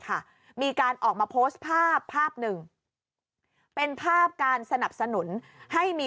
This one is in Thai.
ค่ะมีการออกมาโพสต์ภาพภาพหนึ่งเป็นภาพการสนับสนุนให้มี